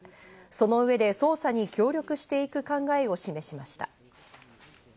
その上で、捜査に協力していく考えを示しました。